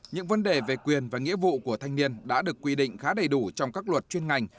những vấn đề về quyền và nghĩa vụ của thanh niên đã được quy định khá đầy đủ trong các luật chuyên ngành